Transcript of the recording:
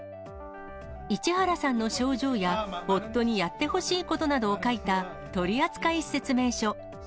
市原さんの症状や、夫にやってほしいことなどを書いた取り扱い説明書。